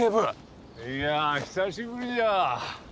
いや久しぶりじゃ。